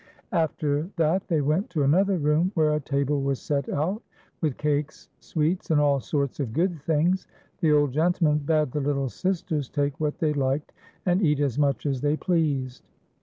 After that they went to another room where a table was set out with cakes, sweets, and all sorts of good things. The old gentleman bade the little sisters take what they liked and eat as much as they pleased.